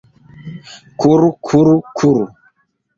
Kuru, kuru, kuru...